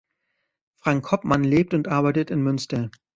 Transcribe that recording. Frank Hoppmann lebt und arbeitet in Münster.